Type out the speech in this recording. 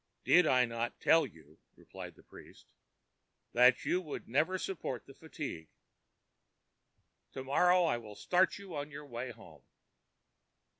ã ãDid I not tell you,ã replied the priest, ãthat you would never support the fatigue? To morrow I will start you on your way home.